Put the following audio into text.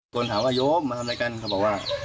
คนถามว่าโยมมาทำอะไรกันเขาบอกว่า